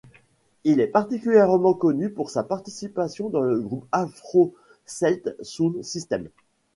Il est particulièrement connu pour sa participation dans le groupe Afro Celt Sound System.